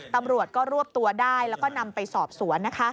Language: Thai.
ตำรวจก็รวบตัวได้แล้วก็นำไปสอบสวนนะคะ